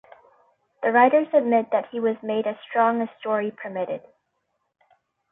The writers admit that he was made as strong as story permitted.